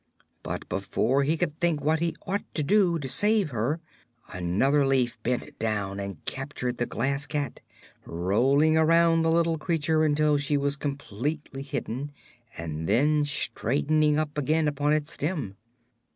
But, before he could think what he ought to do to save her, another leaf bent down and captured the Glass Cat, rolling around the little creature until she was completely hidden, and then straightening up again upon its stem.